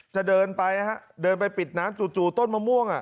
จะเดินไปฮะเดินไปปิดน้ำจู่ต้นมะม่วง